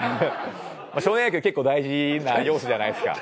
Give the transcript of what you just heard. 少年野球結構大事な要素じゃないですか。